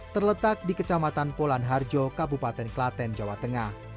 terletak di kecamatan polan harjo kabupaten klaten jawa tengah